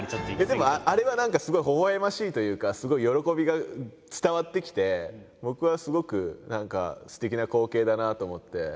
でもあれは何かすごいほほえましいというかすごい喜びが伝わってきて僕はすごく何かすてきな光景だなと思って。